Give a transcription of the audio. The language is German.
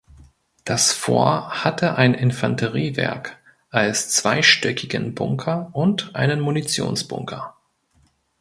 Das Fort hatte ein Infanteriewerk als zweistöckigen Bunker und einen Munitionsbunker.